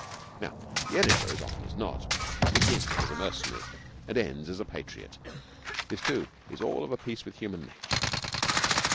Now the editor, as often as not, begins as a mercenary and ends as a patriot. This, too, is all of a piece with human nature.